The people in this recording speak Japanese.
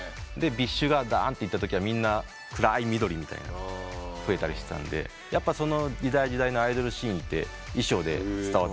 ＢｉＳＨがだーんっていったときはみんな暗い緑みたいな増えたりしてたんでやっぱその時代時代のアイドルシーンって衣装で伝わってくるなって。